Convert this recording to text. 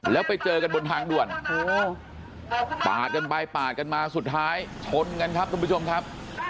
แล้วไปเจอกันบนทางด่วนปาดกันไปปาดกันมาสุดท้ายชนกันครับทุกผู้ชมครับ